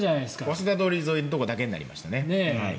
早稲田通り沿いだけになりましたね。